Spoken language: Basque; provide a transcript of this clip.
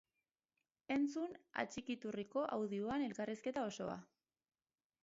Entzun atxikiturriko audioan elkarrizketa osoa!